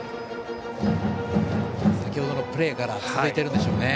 先程のプレーから続いているんでしょうね。